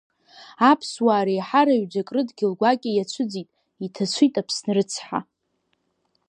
Аԥсуаа реиҳараҩӡак рыдгьыл гәакьа иацәыӡит, иҭацәит Аԥсны рыцҳа.